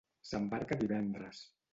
S'embarca divendres.